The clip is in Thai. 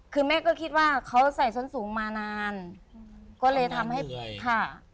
คือแม่ก็คิดว่าเขาใส่ส้นสูงมานานก็เลยทำให้ค่ะ